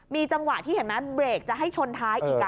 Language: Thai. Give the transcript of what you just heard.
มีจังหวะที่เห็นไหมเบรกจะให้ชนท้ายอีก